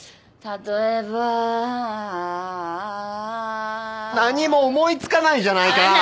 例えば。何も思い付かないじゃないか！